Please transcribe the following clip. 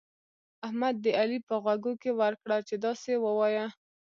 احمد د علي په غوږو کې ورکړه چې داسې ووايه.